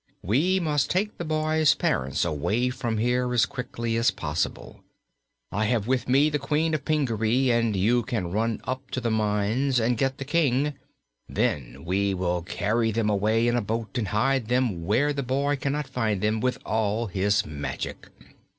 "We must take the boy's parents away from here as quickly as possible. I have with me the Queen of Pingaree, and you can run up to the mines and get the King. Then we will carry them away in a boat and hide them where the boy cannot find them, with all his magic.